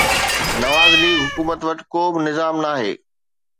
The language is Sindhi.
نواز ليگ حڪومت وٽ ڪو به نظام ناهي.